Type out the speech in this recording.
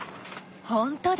ほんとだ。